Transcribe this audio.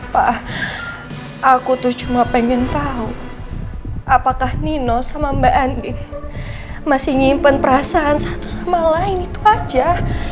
pak aku tuh cuma pengen tahu apakah nino sama mbak andi masih nyimpen perasaan satu sama lain itu aja